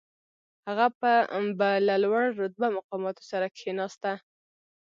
هغه به له لوړ رتبه مقاماتو سره کښېناسته.